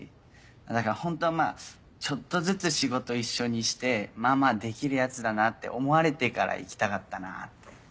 だからホントはまぁちょっとずつ仕事一緒にしてまぁまぁできるヤツだなって思われてから行きたかったなって。